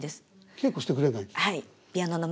稽古してくれない？